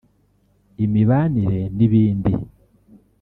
imibanire n’ ibindi…